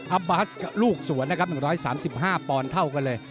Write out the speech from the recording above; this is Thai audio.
อัมบาสกับลูกสวนนะครับ๑๓๕ปอนเท่ากันเลย